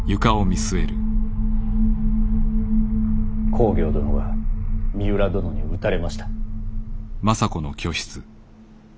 公暁殿が三浦殿に討たれました。